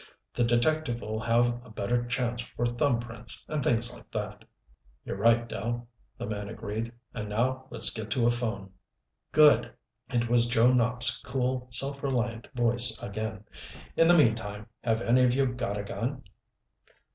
The detective'll have a better chance for thumb prints, and things like that." "You're right, Dell," the man agreed. "And now let's get to a phone." "Good." It was Joe Nopp's cool, self reliant voice again. "In the meantime, have any of you got a gun?"